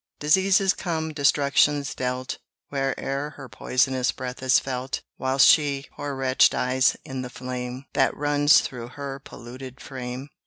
Diseases come, destruction's dealt, Where'er her poisonous breath is felt; Whilst she, poor wretch, dies in the flame That runs through her polluted frame.